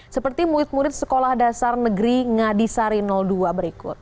seperti murid murid sekolah dasar negeri ngadisari dua berikut